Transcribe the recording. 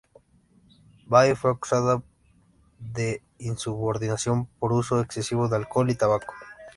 Bai fue acusada de insubordinación por uso excesivo de alcohol y tabaco.